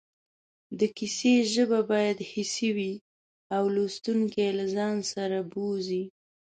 د کیسې ژبه باید حسي وي او لوستونکی له ځان سره بوځي